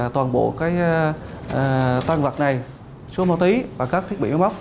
toàn bộ toàn vật này xuống máu tí và các thiết bị máy móc